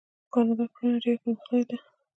د کاناډا کرنه ډیره پرمختللې ده.